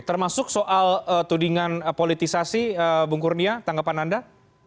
termasuk soal tudingan politisasi bung kurnia tanggapan anda